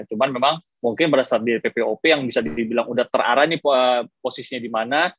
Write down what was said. cuman memang mungkin berdasarkan ppop yang bisa dibilang udah terarah nih posisinya dimana